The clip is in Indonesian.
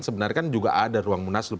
sebenarnya kan juga ada ruang munaslup